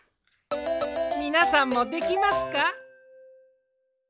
みなさんもできますか？